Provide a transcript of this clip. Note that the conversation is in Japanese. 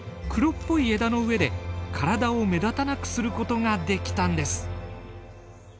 黒っぽい枝の上で体を目立たなくすることができたんです。